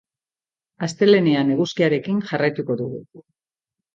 Astelehenean eguzkiarekin jarraituko dugu.